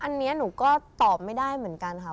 อันนี้หนูก็ตอบไม่ได้เหมือนกันค่ะ